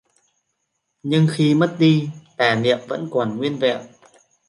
nhưng khi mất đi, tà niệm vẫn còn nguyên vẹn